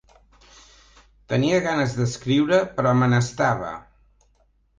Tenia ganes d'escriure però me n'estava.